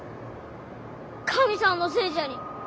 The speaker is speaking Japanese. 神さんのせいじゃに。